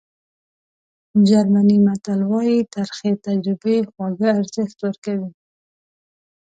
جرمني متل وایي ترخې تجربې خواږه ارزښت ورکوي.